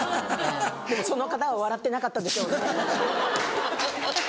でもその方は笑ってなかったでしょうね。